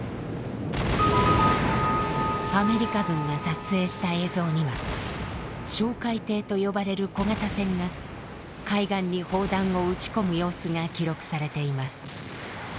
アメリカ軍が撮影した映像には「哨戒艇」と呼ばれる小型船が海岸に砲弾を撃ち込む様子が記録されています。